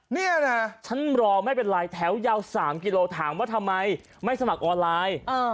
นี่นะฉันรอไม่เป็นไรแถวยาว๓กิโลถามว่าทำไมไม่สมัครออนไลน์